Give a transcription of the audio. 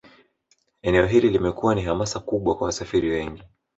Eneo hili limekuwa ni hamasa kubwa kwa wasafiri wengi